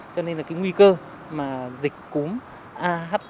cho nên là cái nguy cơ mà dịch cúm ah bảy n một